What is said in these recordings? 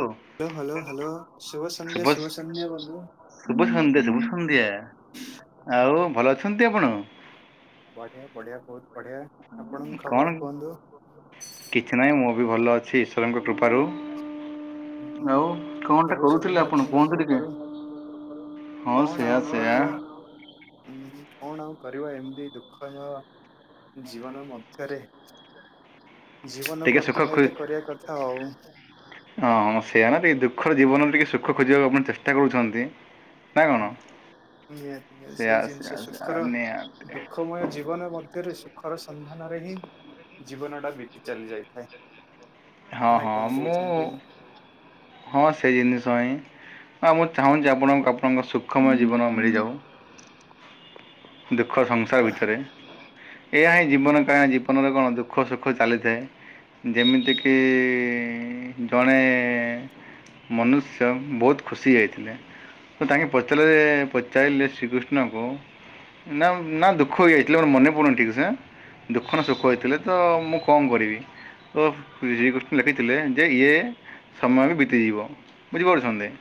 ଓ hello hello hello ଶୁଭସନ୍ଧ୍ୟା ଶୁଭ ଶୁଭସନ୍ଧ୍ୟା ବନ୍ଧୁ। ଶୁଭ ସନ୍ଧ୍ୟା ଶୁଭ ସନ୍ଧ୍ୟା ଆଉ ଭଲ ଅଛନ୍ତି ଆପଣ? ବଢ଼ିଆ ବଢ଼ିଆ ବହୁତ ବଢ଼ିଆ ଆପଣଙ୍କ କଣ ଖବର କୁହନ୍ତୁ? କିଛି ନାହିଁ ମୁଁ ବି ଭଲ ଅଛି ଈଶ୍ୱରଙ୍କ କୃପାରୁ। ହୁଁ ଆଉ କଣ ଟା ପ୍ରଭୁ କୋହୁଥିଲେ ଆପଣ ଜଗନ୍ନାଥଙ୍କ କୁହନ୍ତୁ ଟିକେ? କୃପାରୁ ହଁ କଣ ସେୟା ଆଉ ସେୟା। କରିବା ଉଁ କଣ ଆଉ କରିବା ଏମିତି ଦୁଃଖ ତ ଜୀବନ ମଧ୍ୟରେ। ଜୀବନକୁ ଟିକେ ସୁଖ ଅତିବାହିତ କରିବା କଥା ଆଉ। ହଁ ହଁ ସେଇଆ ନା ଟିକେ ଦୁଃଖ ଜୀବନରେ ଟିକେ ସୁଖ ଖୋଜିବାକୁ ଆପଣ ଚେଷ୍ଟା କରୁଛନ୍ତି। ନା କଣ? ଉଁ। ନିହାତି ନିହାତି ସେୟା ସେଇ ସେୟା ଜିନିଷ ସେୟା ସୁଖର, ନିହାତି ଦୁଃଖମୟ ଜୀବନ ମଧ୍ୟରେ ସୁ ସୁଖର ସନ୍ଧାନରେ ହିଁ ଜୀବନ ଟା ବିତି ଚାଲି ଯାଇଥାଏ। ହଁ ନାଇଁ ହଁ କଣ ମୁଁ କହୁଛନ୍ତି ହଁ ସେ ଜିନିଷ ହିଁ ଆଁ ମୁଁ ଚାହୁଁଚି ଆପଣଙ୍କୁ ଆପଣଙ୍କ ସୁଖମୟ ଜୀବନ ମିଳିଯାଉ। ଦୁଃଖ ସଂସାର ଆଃ ଭିତରେ, ଏହା ହିଁ ଜୀବନ କାଇଁ ନିହାତି ନିହାତି ଜୀବନରେ କଣ ଦୁଃ ଦୁଃଖ ସୁଖ ଚାଲିଥାଏ। ଯେମିତିକି ଜଣେ ମନୁଷ୍ୟ ବହୁତ ଖୁସି ଯାଇଥିଲେ ତ ତାଙ୍କେ ପଚାରିଲେ ପଚାରିଲେ ଶ୍ରୀକୃଷ୍ଣଙ୍କୁ ନା ନା ଦୁଃଖ ହେଇଯାଇଥିଲେ, ମୋର ମନେ ପଡୁନି ଠିକ୍ ସେ, ଦୁଃଖ ନା ସୁଖ ଠିକ ହେଇଥିଲେ ତ ମୁଁ କଣ କରିବି, ତ ଶ୍ରୀକୃଷ୍ଣ ଲେଖିଥିଲେ ଯେ ଇଏ ସମୟ ବି ବିତିଯିବ। ବୁଝିପାରୁଛନ୍ତି?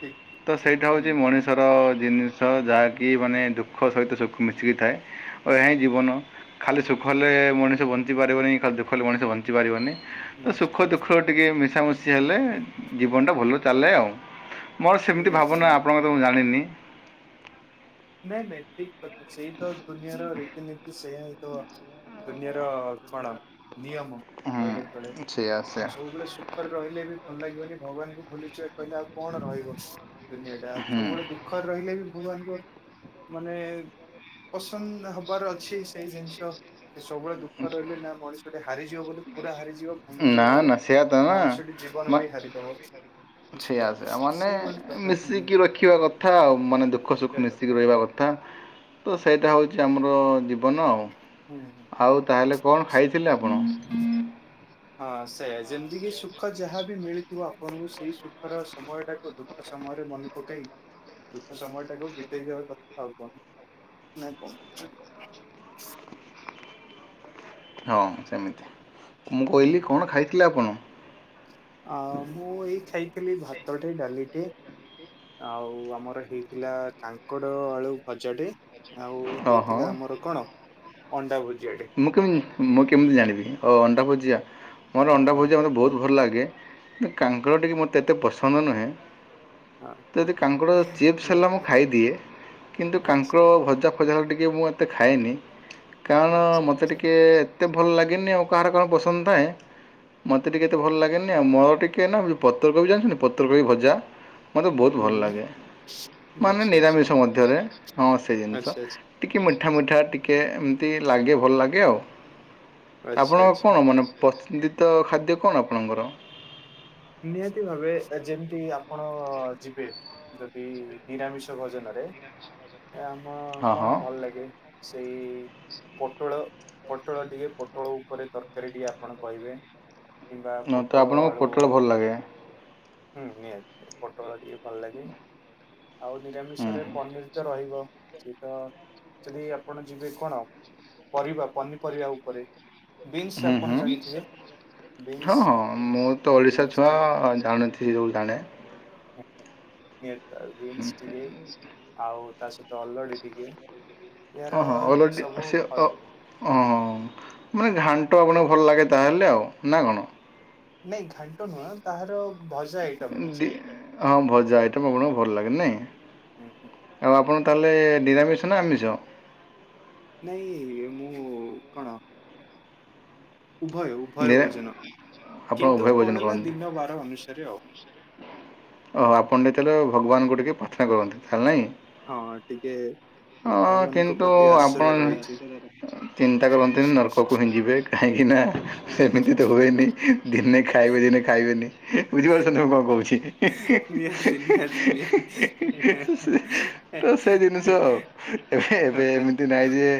ଠିକ ତ ଠିକ ସେଇଟା ହୁଁ ହଉଚି ହୁଁ ମଣିଷର ଜିନିଷ ଯାହାକି ମାନେ ଦୁଃ ଦୁଃଖ ସହିତ ସୁଖ ମିଶିକି ଥାଏ। ଓ ଏହା ହିଁ ଜୀବନ। ଖାଲି ସୁଖ ହେଲେ ମଣିଷ ବଞ୍ଚିପାରିବନି, ଖାଲି ଦୁଃଖ ହେଲେ ମଣିଷ ବଞ୍ଚିପାରିବନି। ତ ମଞ୍ଜି ସୁଖ ପାରିବି ଦୁଃଖ ଟିକେ ମିଶାମୁଶି ହେଲେ ଜୀବନଟା ଭଲ ଚାଲେ ଆଉ। ମୋର ସେମିତି ନିହାତି ଭାବନା। ନିହାତି ଆପଣଙ୍କର ତ ମୁଁ ଜାଣିନି। ନାଇଁ ନାଇଁ ଠିକ୍ କଥା ସେଇ ତ ଦୁନିଆର ରୀତିନୀତି ସେୟା ହିଁ ତ ଦୁନିଆର କଣ ନିୟମ। କହିଲେ ଚଳେ। ହୁଁ ସେଇଆ ସେଇଆ ଆଉ ସବୁବେଳେ ସୁ ଦୁଃଖରେ ରହିଲେ ବି ଭଲ ଲାଗିବନି, ଭଗବାନଙ୍କୁ ଭୁଲି ଯିବା କହିଲେ ଆଉ କଣ ରହିବ ଦୁନିଆ ଟା। ହୁଁ ସବୁବେଳେ ଦୁଃ ଦୁଃଖ ରହିଲେ ବି ଭଗବାନଙ୍କ ମାନେ ପସନ୍ଦ ହବାର ଅଛି ସେଇ ଜିନିଷ। କି ସବୁବେଳେ ଦୁଃଖ ରେ ରହିଲେ ନା ମଣିଷଟି ହାରିଯିବ ବୋଲି ପୁରା ହାରିଯିବ ନା ଭାଙ୍ଗିଯିବ ବୋଲେ ନା ସେଇଆ ତ ମଣିଷଟି ଜୀବନ ନା ବି ହାରିଦବ। ସେଇଆ ବୁଝିପାରୁଛ ସେଇଆ। ନା? ମାନେ ସେଇଭଳି କଥା ହୁଁ ମିଶିକି ରଖିବା କଥା ଆଉ, ମାନେ ଦୁଃଖ ରଖିବା ସୁଖ ମିଶି କଥା କି ରହିବା କଥା, ତ ସେଇଟା ହଉଚି ଆମର ଜୀବନ। ହୁଁ। ହୁଁ। ଆଉ ତାହେଲେ କଣ ଖାଇଥିଲେ ଆପଣ? ହଁ ସେଇୟା ଯେମିତିକି ସୁଖ ଯାହା ବି ମିଳିଥିବ ଆପଣଙ୍କୁ ସେଇ ସୁଖର ସମୟ ଟାକୁ ଦୁଃଖ ସମୟରେ ମନେ ପକେଇ ଦୁଃଖ ସମୟ ଟାକୁ ବିତେଇ ଦେବା କଥା ଆଉ କଣ। ନା କଣ କହୁଛନ୍ତି? ହଁ ସେମିତି। ମୁଁ ହୁଁ। କହିଲି କଣ ଖାଇଥିଲେ ଆପଣ? ଆ ମୁଁ ଏଇ ଖାଇଥିଲି ଭାତଟେ ଡାଲିଟେ ଆଉ ଆମର ହେଇଥିଲା କାଙ୍କଡ଼ ଆଳୁ ଭଜାଟେ। ଆଉ ହଁ ହଁ ହେଇଥିଲା ଆମର କଣ ଅଣ୍ଡା ଭୁଜିଆଟେ। ମୁଁ କେମିତି ମୁଁ କେମିତି ଜାଣିବି ଓ ଅଣ୍ଡା ଭୁଜିଆ, ମୋର ଅଣ୍ଡା ହୁଁ ଭୁଜିଆ ହୁଁ ମୋତେ ହୁଁ ବହୁତ ଭଲ ଲାଗେ। କିନ୍ତୁ କାଙ୍କଡ଼ ଟିକେ ମୋତେ ଏତେ ପସନ୍ଦ ନୁହେଁ। ହଁ ତ ଯଦି ହଁ, କାଙ୍କଡ଼ ଚିପ୍ସ ହେଲା ମୁଁ ନିହାତି। ଖାଇଦିଏ। କିନ୍ତୁ ଆଚ୍ଛା କାଙ୍କଡ଼ ଆଚ୍ଛା। ଭଜା ଫଜା ଟିକେ ମୁଁ ଏତେ ଖାଏନି। କାରଣ ଆଚ୍ଛା ଆଚ୍ଛା ଏ ଏତେ ଭଲ ଲାଗେନି ଆଉ କାହାର କଣ ପସନ୍ଦ ଥାଏ। ମୋତେ ଟିକେ ଏତେ ଭଲ୍ ଲାଗେନି ଆଉ। ମୋର ଟିକେ ନାକୁ ପତ୍ରକୋବି ଜାଣିଛନ୍ତି ପତ୍ରକୋବି ଭଜା ମୋତେ ବହୁତ ହୁଁ ଭଲ ହୁଁ ଲାଗେ। ମାନେ ଆଚ୍ଛା ଆଚ୍ଛା ନିରାମିଷ ମଧ୍ୟରେ। ହଁ ସେଇ ଜିନିଷ। ଆଚ୍ଛା ଆଚ୍ଛା ଟିକେ ମିଠା ମିଠା ଟିକେ ଏମତି ଲାଗେ ଭଲ ଲାଗେ ଆଉ। ଆଚ୍ଛା ଆପଣଙ୍କ ଆଚ୍ଛା। କଣ ମାନେ ପସନ୍ଦିତ ଖାଦ୍ୟ କଣ ଆପଣଙ୍କର? ନିହାତି ଭାବେ ଯେମିତି ଆପଣ ଯିବେ। ଯଦି ନିରାମିଷ ଭଜନରେ ଆମ ହଁ କଣ ହଁ ଭଲ ଲାଗେ ସେଇ ପୋଟଳ ପୋଟଳ ଟିକେ ପୋଟଳ ଉପରେ ତରକାରୀ ଟିକେ ଆପଣ କହିବେ? କିମ୍ବା ହଁ, ତ ପୋଟଳ ଆପଣଙ୍କୁ ଆଳୁ ପୋଟଳ ଭଲ ଲାଗେ ହୁଁ ନିହାତି ନିହାତି ପୋଟଳ ଟିକ ଭଲ ଲାଗେ ଆଉ ହୁଁ ନିରାମିଷରେ ପନିର ତ ରହିବ ସେ ତ ଯଦି ଆପଣ ଯିବେ କଣ ପରିବା ପନିପରିବା ଉପରେ ବିନ୍ସ ହୁଁ ଆପଣ ହୁଁ ଜାଣିଥିବେ ହଁ ବିନ୍ସ ହଁ ମୁଁ ତ ଓଡିଶା ଛୁଆ ହଁଁ ଜାଣଥିଲ ସୋଉ ଜାଣେ [inaudible] ଆ [inaudible] ନିହାତି ଭାବେ ବିନ୍ସ ଟିକେ ଆଉ ତା ସହିତ ଅଲଡ଼ି ଟିକେ ଏହାର ସବୁ ଓ ହ ମାନେ ଘାଣ୍ଟ ଆପଣଙ୍କୁ ଭଲ ଲାଗେ ତାହେଲେ ନା କଣ? ନାଇଁ ଘାଣ୍ଟ ନୁହଁ ତାହାର ଭଜା ଏଠ ହଁ ଭଜା ଆଇଟମ୍ ଆପଣଙ୍କୁ ଭଲ ଲାଗେ ହୁଁ ହୁଁ। ନାହିଁ ଆଉ ଆପଣ ତାହେଲେ ନିରାମିଶ ନା ଆମିଷ? ନାଇଁ ମୁଁ କଣ? ଉଭୟ ଉଭୟ ନିରା ଭୋଜନ ଆପଣ କିନ୍ତୁ ଉଭୟ ଭୋଜନ କଣ ନା କରନ୍ତି ଦିନ ବାର ଅନୁସାରେ ଆଉ ଓ ଆପଣ ଯେତେବେଲେ ଭଗବାନଙ୍କୁ ଟିକେ ପ୍ରାର୍ଥନା କରନ୍ତି ତାହେଲେ ନାହିଁ ହଁ ଟିକେ ହଁ ଭଗବାନଙ୍କ କିନ୍ତୁ ପ୍ରତି ଆଶ୍ରୟ ଆପଣ ରହିଛି। ଚିନ୍ତା କରନ୍ତୁନି ନର୍କକୁ ହି ଯିବେ କାହିଁକିନା ସେମିତି ତ ହୁଏନି ଦିନେ ଖାଇବେ ଦିନେ ଖାଇବେନି ବୁଝିପାରୁଛନ୍ତିଛନ୍ତି ମୁଁ କଣ କହୁଛି? ନିହାତି ନିହାତି ନିହାତି। ତ ସେ ଜିନିଷ ଆଉ ଏବେ ଏବେ ଏମିତି ନାହିଁ ଯେ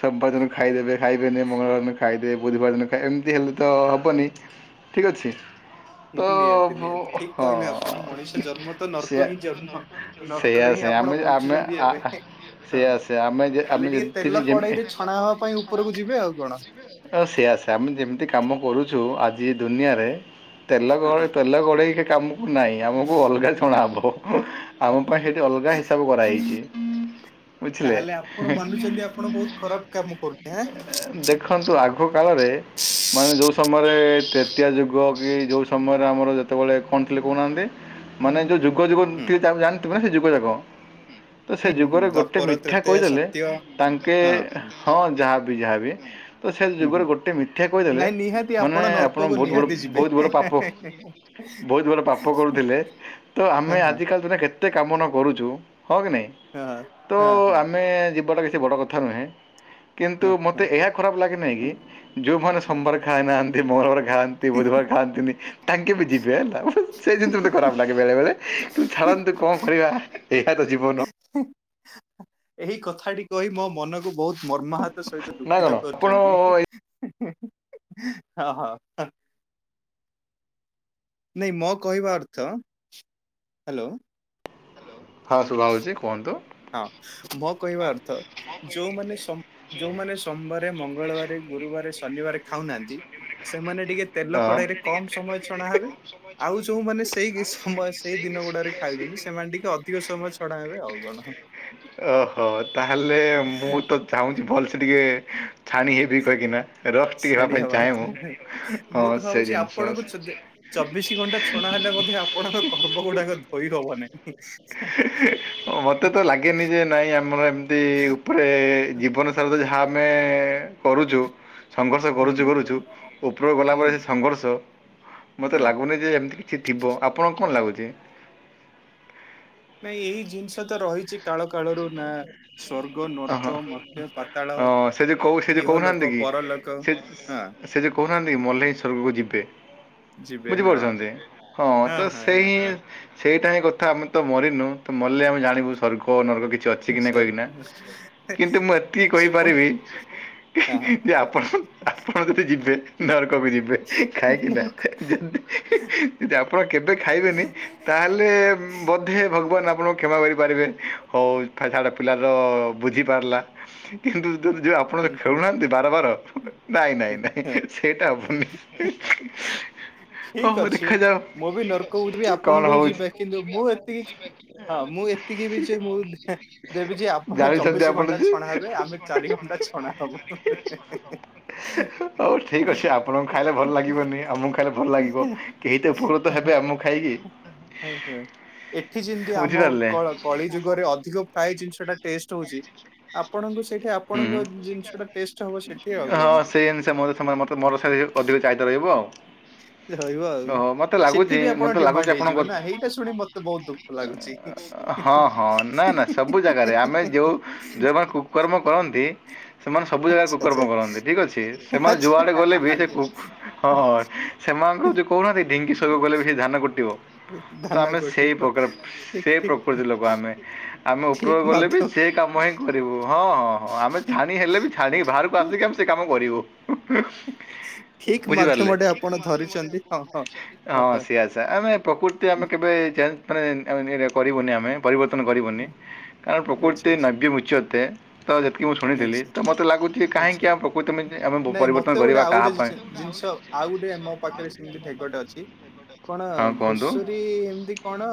ସୋମବାର ଖାଇଦେବେ ଖାଇବେନି ମଙ୍ଗଳବାର ଦିନ - ଖାଇଦେବେ ବୁଧବାର ଦିନ ଖାଇଏ ଏମିତି ହେଲେ ତ ହେବନି ଠିକ୍ ଅଛି ହଁ ତ ନିହାତି ନିହାତି ଠିକ କହିଲେ ଆପଣ ହଁ ମଣିଷ ଜନ୍ମ ତ ସେୟା ନର୍କ ହିଁ ଜନ୍ମ। ନର୍କ ସେୟା ରେ ହିଁ ସେୟା ଆପଣ ଆମେ ଆମେ ବଞ୍ଚୁଛନ୍ତି ଏବେ ହଁ ସେୟା ସେୟା ଆମେ ଯେ- ଆମେ ଖାଲି ଟିକେ ଯେମିତି ବି ତେଲ କଡେଇରେ ଛଣା ହେବା ପାଇଁ ଉପରକୁ ଯିବେ ଆଉ କଣ? ହ ସେୟା ସେୟା ଆମେ ଯେମିତି କାମ କରୁଛୁ ଆଜି ଦୁନିଆରେ ତେଲ ଗହ ତେଲ କଡ଼େଇ ସେ କାମକୁ ନାହିଁ ଆମକୁ ଅଲଗା ଛଣାହବ। ଆମ ପାଇଁ ସେଇଠି ଅଲଗା ହିସାବ କରାହେଇଛି ବୁଝିଲେ ତାହେଲେ ଆପଣ ମାନୁଛନ୍ତି ଆପଣ ବହୁତ ଖରାପ କାମ କରୁଚେ ଆଁ। ଦେଖ ଦେଖନ୍ତୁ ଆଗ କାଳରେ ମାନେ ଯେଉଁ ସମୟରେ ତେତେୟା ଯୁଗ କି ଯେଉଁ ସମୟରେ ଆମର ଯେତେବେଳେ କଣ ଥିଲେ କହୁନାହାଁନ୍ତି? ମାନେ ଯୋଉ ଯୁଗ ଯୁଗ ହୁଁ ଟିକେ ଜାଣିଥିବେ ନା ସେ ଯୁଗ ଯାକ ତ ସେ ହୁଁ ହୁଁ ଯୁଗରେ ଗୋଟେ ଗୋଟେ ଦ୍ୱାପର ମିଥ୍ୟା ତ୍ରେତେୟା କହିଦେଲେ ସତ୍ୟ ହଁ ତାଙ୍କେ ହଁ ଯାହାବି ଯାହାବି ତ ସେ ହୁଁ ଯୁଗରେ ହୁଁ। ଗୋଟେ ମିଥ୍ୟା କହିଦେଲେ ନାଇଁ ନିହାତି ମାନେ ଆପଣ ନର୍କକୁ ବହୁତ ବଡ଼ ନିହାତି ଯିବେ। ବହୁତ ବଡ଼ ପାପ ବହୁତ ବଡ଼ ପାପ କରୁଥିଲେ ତ ହଁ ଆମେ ହଁ ଆଜିକାଲି ଦିନରେ କେତେ କାମ ନ କରୁଛୁ ହଁ କି ନାହିଁ? ହଁ। ତ ହଁ ହଁ ଆମେ ଯିବାଟା କିଛି ବଡ଼ କଥା ନୁହେଁ କିନ୍ତୁ ହଁ ହଁ। ମତେ ଏହା ଖରାପ୍ ଲାଗେ ନାହିଁ କି ଯୋଉମାନେ ସୋମବାର ଖାାଇନାହା ମଙ୍ଗରବାର ଖାଆନ୍ତି ବୁଧବାର ଖାଆନ୍ତିନି ତାଙ୍କେ ବି ଯିବେ ହେଲା ସେ ଜିନିଷ ଟେ ଖରାପ୍ ଲାଗେ ବେଳେ ବେଳେ ଛାଡ଼ନ୍ତୁ କଣ କରିବା ଏହା ତ ଜୀବନ। ଏହି କଥାଟି କହି ମୋ ମନକୁ ବହୁତ ମର୍ମାହତ ସହିତ ନା କ'ଣ ଦୁଃଖିତ ଆପଣ କରିଛନ୍ତି ଏ ହ। ନାଇଁ ମୋ କହିବା ଅର୍ଥ ହାଲୋ। ହଁ ଶୁଭା ହଉଚି କୁହନ୍ତୁ? ହଁ ମୋ କହିବା ଅର୍ଥ ଯୋଉମାନେ ସମ୍ ଯୋଉମାନେ ସମ୍ବାରେ ମଙ୍ଗଳବାରେ ଗୁରୁବାରେ ଶନିବାରେ ଖାଉନାହାନ୍ତି ସେମାନେ ଟିକେ ତେଲ ହଁ। ମାନେ କଡେଇରେ ଟିକେ କମ୍ ସମୟ ଟେକ୍ନୋଲୋଜି ରେ ଛଣା ହେବେ। କମ୍ ସମୟ ଆଉ ଛଡ଼ାନ୍ତୁ। ଯୋଉମାନେ ସେଇ କି ସମୟ ସେଇ ଦିନ ଗୁଡାରେ ଖାଇଛନ୍ତି ସେମାନେ ଟିକେ ଅ ଧିକ ସମୟ ଛଡ଼ାହେବେ ଆଉ କଣ। ଓହୋ ତାହେଲେ ମୁଁ ତ ଚାହୁଁଚି ଭଲ୍ସେ ଟିକେ। ଛାଣି ହେ ବି କହିକିନା ରଫ୍ଟି ହବା ଛାଣି ପାଇଁ ଚାହେଁ କଥା? ମୁଁ ହଁ ମୁଁ ତ ସେ ଭାବୁଛି ଜିନଷ। ଆପଣଙ୍କୁ ଚଦେ ଚବିଶି ଘଣ୍ଟା ଛଣା ହେଲେ ମଧ୍ୟ ଆପଣଙ୍କ କର୍ମ ଗୁଡାକ ଧୋଇ ହବ ନାହିଁ। ମତେ ତ ଲାଗେନି ଯେ ନାଇଁ ଆମର ଏମ୍ ତି ଉପରେ ଜୀବନ ସାରା ତ ଯାହା ଆମେ କରୁଚୁ। ସଂଘର୍ଷ ହୁଁ କରୁଛୁ କରୁଛୁ ଉପରକୁ ହୁଁ ଗଲାପରେ ସେ ସଂଘର୍ଷ। ମତେ ହଁ। ଲାଗୁନି ଯେ ଏମତି କିଛି ଥିବ ଆପଣଙ୍କୁ କଣ ଲାଗୁଚି? ନାଇଁ ଏଇ ଜିନିଷ ତ ରହିଛି କାଳ କାଳରୁ ନା। ସ୍ଵର୍ଗ ହଁ ନର୍କ ହଁ ମର୍ତ୍ୟ ପାତାଳ ଅ ସେ ଯୋଉ କହୁ ସେ ଯୋଉ କହୁନାହାନ୍ତି ଇହଲୋକ କି ପରଲୋକ ସେ ହାଁ। ସେ ଯୋଉ କହୁନାହାନ୍ତି କି ମଲେ ଏ ସ୍ୱର୍ଗ କୁ ଯିବେ। ଯିବେ ହଁ ବୁଝିପାରୁଛନ୍ତି ହଁ ତ ହଁ ସେଇ। ହଁ ସେଇଟା ହିଁ କଥା ଆମେ ତ ମରିନୁ ତ ମଲେ ଆମେ ଜାଣିବୁ ସ୍ୱର୍ଗ ନର୍କ କିଛି ହଁ କି ନାହିଁ ସ୍ୱର୍ଗ କହିକିନା। ନର୍କ। କିନ୍ତୁ ମୁଁ ଏତିକି ସେପଟ କହିପାରିବି। ହଁ ଯେ ଆପଣ ଆପଣ ଯଦି ଯିବେ ନରକକୁ ଯିବେ କାହିଁକିନା ନର୍କ ଯଦି। ଯେ ଆପଣ କେବେ ଖାଇବେନି ତାହେ ଲେ ବଧେ ଭଗବାନ୍ ଆପଣଙ୍କୁ କ୍ଷମା କରିପାରିବେ ହଉ ଛା ଛାଡ ପିଲା ର ବୁଝି ପାରିଲା କିନ୍ତୁ ଯୋଉ ଯୋଉ ଆପଣ ହୁଁ ହୁଁ ଖେଳୁନାହାନ୍ତି। ବାର ବାର ନାଇଁ ନାଇଁ ନାଇଁ ହଁ। ସେଟା ହବନି। ଠିକ୍ ହଉ ଅଛି ଦେଖାଯାଉ ମୁଁ ବି ନର୍କକୁ ଯିବି କଣ ଆପଣଙ୍କୁ ବି ହଉଛି ଯିବେ। କିନ୍ତୁ ମୁଁ ଏତିକି ହଁ ମୁଁ ଏତିକି ବି ଯେ ମୁଁ ଦେବି ଯେ ଆପଣ ଜାଣିଛନ୍ତି ଚବିଶି ଆପଣ ଘଣ୍ଟା ଯେ ଛଣା ହେବେ ଆମେ ଚାରି ଘଣ୍ଟା ଛଣା ହବୁ। ହଉ ଠିକ୍ ଅଛି ଆପଣଙ୍କୁ ଖାଇଲେ ଭଲ ଲାଗିବନି ଆମ ଖାଇଲେ ଭଲ ଲାଗିବ କେହିତ ଉପକୃତ ହେବେ ଆମକୁ ଖାଇକି। [unintelligible] ଏଠି ଯିମତି ଆମ ବୁଝିପାରିଲେ କଳ କଳି ଯୁଗରେ ଅଧିକ। ଖାଇ ଜିନିଷ ଟା ଟେଷ୍ଟ୍ ହଉଛି। ଆପଣଙ୍କୁ ସେଇଠେ ହୁଁ। ଆପଣଙ୍କ ଜିନିଷ ଟା ଟେଷ୍ଟ୍ ହବ ସେଠି ଆଉ କଣ। ସେଇଅନୁସାରେ। [unintelligible] ସେମାନେ ମତେ ମର ସାରି ଅଧିକ ଚାହିଦା ରହିବ ଆଉ। ରହିବ ଆଉ ଓହୋ ମତେ ସେଠି ଲାଗୁଛି ବି ଆପଣ ମତେ ଲାଗୁଛି ଡିମାଣ୍ଡ୍ ଆପଣଙ୍କ ହେଇଯିବେ ନା ହେଇଟା ଶୁଣି ମତେ ବହୁତ୍ ଦୁଃଖ ଲାଗୁଛି। ହଁ ହଁ ନା ନା ସବୁ ଜାଗାରେ ଆମେ ଯୋଉ ଯୋଉମାନେ କୁକର୍ମ କରନ୍ତି। ସେମାନେ ସବୁ ଜାଗା ଆଚ୍ଛା କୁକର୍ମ କରନ୍ତି ଠିକ୍ ଅଛି ସେମାନେ ଯୁଆଡେ ଆଚ୍ଛା ଗଲେ ବି ସେ କୁକ୍ ହଁ ଆଚ୍ଛା। ହଁ। ସେମାନଙ୍କୁ ଯୋଉ କହୁନାହାନ୍ତି ଢିଙ୍କି ଶରିରକୁ କହିଲେ ବି ସେ ଧାନ କୁଟିବ। ତ ଧାନ ଆମେ ସେଇ କଟିବ ପ୍ରକାର ଠିକ ସେ ଠିକ ପ୍ରକୃତି ଲୋକ ଆମେ ଆମେ ଉପରକୁ ଠିକ ଗଲେ ବି। ମାଧ୍ୟମ ସେ କାମ ହି। କରିବୁ ହଁ ହଁ ହଁ ହଁ ଆମେ ଛାଣି ହେଲେ ବି ଛାଣିକି ବାହାରକୁ ଆସିକି ଆମେ ସେ କାମ କରିବୁ। ଠିକ ବୁଝିପାରିଲେ ହଁ ମାଧ୍ୟମଟେ ଆପଣ ଧରିଛନ୍ତି ହଁ ହଁ। ହ ହ ସେୟା ସେୟା ଆମେ। ପ୍ରକୃତି ଆମେ କେବେ ଚେଞ୍ଜ୍ ମାନେ [unintelligible] କରିବୁନି ଆମେ। ପରିବର୍ତ୍ତନ କରିବୁନି କାରଣ ପ୍ରକୃତି ଆଚ୍ଛା ଆଚ୍ଛା ନାବ୍ୟ ମୁଚ୍ୟତେ। ତ ଯେତିକି ମୁଁ ଶୁଣିଥିଲି, ଆଚ୍ଛା ତ ମତେ ଲାଗୁଚି ଆଚ୍ଛା କାହିଁକି ଆମେ ପ୍ରକୃତି ଆମେ ଭୁ ନାଇଁ ମତେ ପରିବର୍ତ୍ତନ ଗୋଟେ କରିବା ଆଉ ଗୋଟେ କାହା ଜି ପାଇଁ। ଜିନିଷ, ଆଉ ଗୋଟେ ମୋ ପାଖରେ ସେମିତି ଠେକିଆଟେ ଅଛି। କଣ ହଁ ଘୁଷୁରୀ କୁହନ୍ତୁ ଏମତି କଣ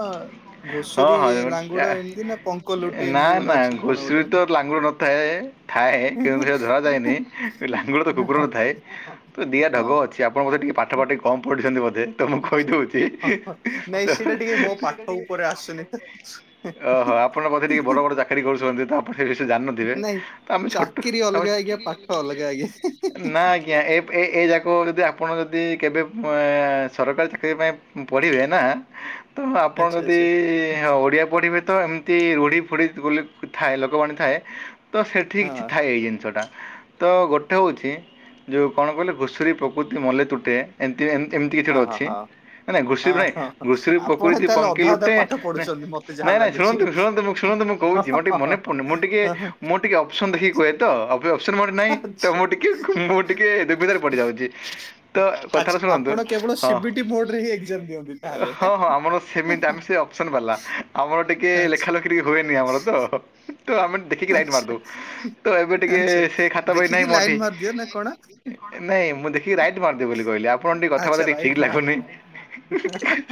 ହଁ ଘୁଷୁରୀ ହଁ ଏ ଲାଙ୍ଗୁଡ ଆ- ନା ଏମତି ନା କଣ ଲୋଟେ ନା ଏମିତି ଗୋଟେ ନା ଅଛି ଘୁଷୁରୀ ଗୋଟେ। ତ ଲାଙ୍ଗୁଡ଼ ନଥାଏ। ଥାଏ କିନ୍ତୁ ସେଇଟା ଧର ଯାଏନି। ଲାଙ୍ଗୁଡ଼ ତ ହଁ କୁକୁରରେ ଥାଏ ତ ଦିଆ ହଁ ଢଗ ଅଛି। ଯେ ଆପଣ ବୋଧେ ଟିକେ ପାଠ ଫାଠ କମ ପଢ଼ିଛନ୍ତି ବୋଧେ। ତ ମୁଁ କହିଦଉ ହଁ ନାଇଁ ତ, ସେଇଟା ଟିକେ ମୋ ପାଠ ଉପରେ ଆସୁନି ତ। ଓହୋ ଆପଣଙ୍କ ବୋଧେ ଟିକେ ବଡ ବଡ ଚା ଚା କରୁଛନ୍ତିପଣ ସେ ବିଷୟ ଜାୁ [unintelligible] ଥିବେ। ନାଇଁ ତ ଆମେ ଛୋଟ ଚାକିରି ଆ। ଅଲଗା ଆଜ୍ଞା ପାଠ ଅଲଗା ଆଜ୍ଞା। ନା ଆଜ୍ଞା ଏ ଏ ଏ ଯାକ ଯଦି ଆପଣ ଯଦି କେବେ ସରକାରୀ ଚାକିରି ପାଇଁ ପଢ଼ିବେ ନା ତ ମ ଆପଣ ଆଚ୍ଛା ଯଦି ଆଚ୍ଛା ଓଡିଆ ପଢିବେ ତ ଏମିତି ରୁଢି ଫୁଢ଼ି ତୁ ଗ ଥାଏ ଲୋକବାଣି ଥାଏ ତ ସେଠି କିଛି ଥାଏ ଏଇ ଜିନିଷଟା। ତ ଗୋଟେ ହଉଚି, ଯଉ କଣ କହିଲେ ଘୁଷୁରୀ ପ୍ରକୃତି ମଲେ ତୁଟେ। ଏମତି ଏମିତି ଏମିତି କିଛି ହଁ ଗୋଟେ ହଁ ହଁ ଅଛି। ହଁ। ନାଇଁଁ ଘୁଷୁରୀ ହଁ ନାଇଁ ହଁ ହଁ ଘୁଷୁରୀ ଆପଣ ପ୍ରକୃତି ତାହେଲେ ପଙ୍କି ଅଧା ଅଧା ଲୁଟେ, ପାଠ ପଢୁଛନ୍ତି ମତେ ଯାହା ନାଇଁ ନାଇଁ ଲାଗୁଛି। ଶୁଣନ୍ତୁ ଶୁଣନ୍ତୁ ଶୁଣନ୍ତୁ ହଁ କହୁଛି ମୋର ଟିକେ ହଁ ମନେପଡୁନି। ମୁଁ ଟିକେ ହଁ ମୁଁ ଟିକେ ଅପସନ୍ ଦେଖିକି କହେ ତ। କୋଇ ଓପସନ ମୋର ନାହିଁ। ତ ଆଚ୍ଛା। ମୁଁ ଟିକେ ମୁଁ ଟିକେ ଦୁବିଧାରେ ପଡିଯାଉଛି। ତ ଆଚ୍ଛା କଥାଟା ଶୁଣନ୍ତୁ। ଆପଣ କେବଳ ହଁ? ସିବିଟି ମୋଡରେ ହିଁ ଏକ୍ଜାମ ଦିଅନ୍ତି ତାହେଲେ ଆଁ ହଁ ହଁ ଆମର ସେମିତି ଆମେ ସେ ଅପସନ ବାଲା। ଆମର ଟିକେ ଆଚ୍ଛା ଲେଖା ଲେଖିରେ ହୁଏନି ଆମର ତ। ତ ଆମେ ଦେ ଦେଖିକି ରାଇଟ ଆଚ୍ଛା ମାରିଦଉ। ତ ଏବେ ଟିକେ ଆଚ୍ଛା ସେ ଖାତା ବହି ନାହିଁ ଦେଖିକି ଲାଇନ ମୋଠି। ମାରିଦିଅ ନା କଣ? ନାଇଁ ମୁଁ ଦେଖିକି ରାଇଟ ମାରିଦେବି ବୋଲି କହିଲି। ଆପଣଙ୍କୁ ଟିକେ ଆଚ୍ଛା କଥାବାର୍ତ୍ତା ଟିକେ ରାଇଟ ଠିକ୍ ଲାଗୁନି।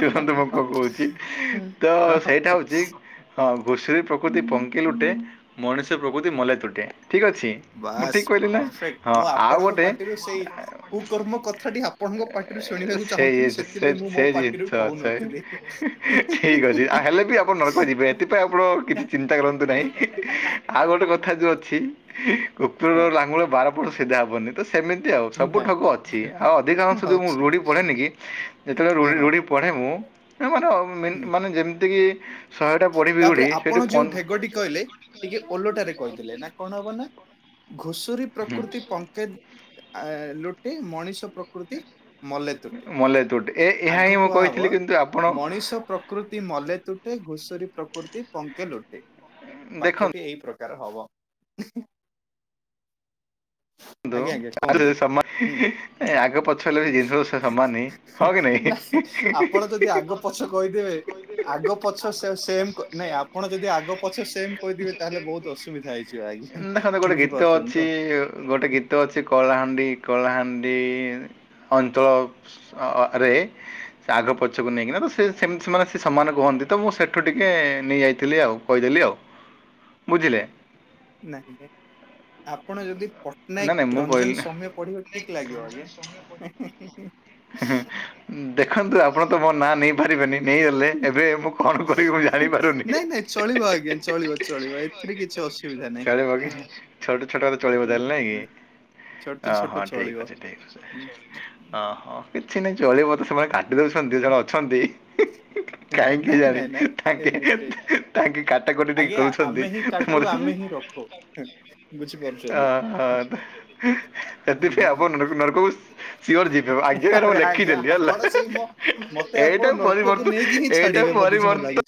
ଶୁଣନ୍ତୁ ମୁଁ କୁଣ କହୁଚି। ତ ସେଇଟା ହଉଚି ହଁ ଘୁଷୁରୀ ପ୍ରକୃତି ପଙ୍କି ଲୁଟେ ମଣିଷ ପ୍ରକୃତି ମଲେ ତୁଟେ। ଠିକ୍ ଅଛି? ମୁଁ ବାସ୍ ଠିକ୍ କହିଲି ନା ପରଫେକ୍ଟ, ହଁ ମୁଁ ଆଉ ଆପଣଙ୍କ ଗୋଟେ ପାର୍ଟିରୁ ସେଇ କୁକର୍ମ କଥାଟି ଆ ପଣଙ୍କ ପାର୍ଟିରୁ ଶୁଣିବାକୁ ସେଇ ଚାହୁଁଥିଲି। ସେ ସେଥିପାଇଁ ମୁଁ ମୋ ପାର୍ଟିରୁ କହୁନଥିଲି। ଠିକ ଅଛି ଆଉ ହେଲେ ବି ଆପଣ ନରକ ଯିବେ। ଏଥିପାଇଁ ଆପଣ କିଛି ଚିନ୍ତା କରନ୍ତୁ ନାହିଁ। ହ ଆଉ ଗୋଟେ କଥା ଯୋଉ ଅଛି କୁକୁର ହଁ ଲାଙ୍ଗୁଳ ବାରପୁରୁ ସିଧା ହବନି। ତ ସେମିତି ଆଉ ସବୁ ନାଇଁ ଢଗ ଅଛି। ଆଉ ଅଧିକାଂଶଁ ମୁଁ ଅଛି ରୁଢ଼ି ପଢ଼େନି କି ଯେତେବେଳେ ରୁ ହଁ ହଁ ରୂଢ଼ି ପଢ଼େ ମୁୁ ମାନେ ମେ ହୁଁ ମାନେ ଯେମିତିକି ଶହେଟା ପଢ଼ିବି ବିରଢ଼ି ତାପରେ ସେଇଠୁ ଆପଣ ପଁ ଯୋଉ ଢେଗଟି କହିଲେ, ଟିକେ ଓଲଟା ରେ କହିଦେଲେ। ନା କଣ ହବ ନା ଘୁଷୁରୀ ହୁଁ। ପ୍ରକୃତି ପଙ୍କେ ଆ ଲୁଟେ ମଣିଷ ପ୍ର ପ୍ରକୃତି ମଲେ ତୁଟେ। ମଲେ ତୁଟ ଏ ଏହା ହିଁ ଆଗ ମୁଁ କହିଥିଲି କୁହାହବ କିନ୍ତୁ ଆପଣ ମଣିଷ ପ୍ର ପ୍ରକୃତି ମଲେ ତୁଟେ। ଘୁଷୁରୀ ପ୍ରକୃତି ପଙ୍କେ ଲୁଟେ। ବାକ୍ୟଟି ଦେଖନ୍ତୁ ଏଇ ପ୍ରକୃ କାର ହବ। ଆଜ୍ଞା ଆଜ୍ଞା ନ୍ତୁ କୁହନ୍ତୁ। ସମାନ ହୁଁ ଆଗ ପଛ ହେଲେ ବି ଜିନିଷ ସବୁ ସମାନେ ନାଇଁ ଆପଣ ଯଦି ଆଗ ପଛ କହିଦେବେ, ଆଗ ପଛ ସେ ସେମ୍ କ ନାଇଁ ଆପଣ ଯଦି ଆଗ ପଛେ ସେମ୍ କହିଦେବେ। ତାହେଲେ ବହୁତ ଅସୁବିଧା ହେଇଯିବ, ଆଜ୍ଞା। ଦେଖନ୍ତୁ, ଗୋଟେ ଗୀତ ବୁଝିପାରୁଛନ୍ତି ତ? ଅଛି ଗୋଟେ ଗୀତ ଅଛି। କଳାହାଣ୍ଡି କଳାହାଣ୍ଡି ଅଞ୍ଚଳ ରେ ସେ ଆଗ ପଛକୁ ନେଇକିନା ତ ସେ ସେମିତି ସେ ମାନେ ସେ ସମାନ ରୁହନ୍ତି। ତ ମୁଁ ସେଠୁ ଟିକେ ନେଇ ଆଇଥିଲି ଆଉ। କହିଦେଲି ଆଉ। ବୁଝିଲେ? ନାଇଁ ନାଇଁ, ଆପଣ ଯଦି ନା ନାଇଁ ପଟ୍ଟନାୟକ, ମୁଁ କହିଲି ରଞ୍ଜନ ସୌମ୍ୟ, ପଢିବା ଠିକ୍ ଲାଗିବ ଆଜ୍ଞା। ଦେଖନ୍ତୁ ଆପଣ ତ ମୋ ନାଁ ନେମ ପାରିବେନି ନେଇଗଲେ ଏବେ ମୁଁ କଣ କରିବି ମୁଁ ଜାଣି ପାରୁନି। [inaudible] ନାଇଁ ନାଇଁ ଚଳିବ ଆଜ୍ଞା ଚଳିବ ଚଳିବ ଏଥିରେ କିଛି ଅସୁବିଧା ନାହିଁ। ଚଳିବ କି ଛୋଟ ଛୋଟ ରେ ଚଳିବ ହୁଁ ତାହାଲେ ହୁଁ ନାଇଁ କି? ହୁଁ ଛୋଟ ଅ ହ ଛୋଟ ଠିକ ଚଳିବ। ଅଛି ଠିକ ଅଛି ହୁଁ। ଅ ହ କିଛି ନାଇଁ ଚଳିବ ତ ସେମାନେ କାଟି ଦଉଛନ୍ତି ଜଣେ ଅଛନ୍ତି। କାହିଁକି ନାଇଁ କେଜାଣି ନାଇଁ ନାଇଁ ତାଙ୍କେ ଏମିତିରେ ତାଙ୍କେ କାଟା କଟି ଟିକେ ଆଜ୍ଞା କରୁଛନ୍ତି ଆମେ ହିଁ କାଟୁ ତମର ସେ ଆମେ ହିଁ ରଖୁ। ଅ ବୁଝିପାରୁଛନ୍ତି ହ ତ ଆବ ନରକହୁ ସିଓର ଯିବେ ଆଜି ଠାରୁ ମୁଁ ଆରେ ଆଜ୍ଞା ଲେଖିଦେଲି ହେଲା ଆପଣ ସେଇ ମୋ ମତେ ଆପଣ ଏଇଟାକୁ ପରିବର୍ତ୍ତ ନର୍କକୁ ନେଇକି ହିଁ ଛାଡିବେ ଏଇଟାକୁ ମତେ ଯାହା ପରିବର୍ତ୍ତ ଲାଗୁଛି।